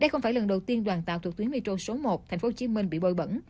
đây không phải lần đầu tiên đoàn tàu thuộc tuyến metro số một tp hcm bị bôi bẩn